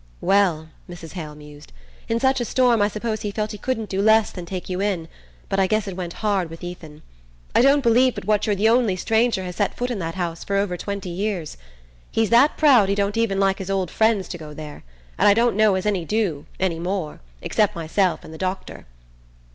"Well," Mrs. Hale mused, "in such a storm I suppose he felt he couldn't do less than take you in but I guess it went hard with Ethan. I don't believe but what you're the only stranger has set foot in that house for over twenty years. He's that proud he don't even like his oldest friends to go there; and I don't know as any do, any more, except myself and the doctor..."